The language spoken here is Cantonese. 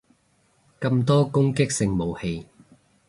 咁多攻擊性武器